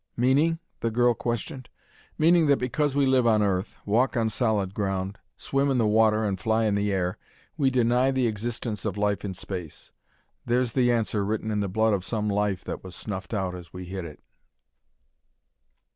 "Meaning?" the girl questioned. "Meaning that because we live on Earth walk on solid ground, swim in the water and fly in the air we deny the existence of life in space. There's the answer written in the blood of some life that was snuffed out as we hit it."